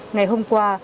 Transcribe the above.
ngày hôm qua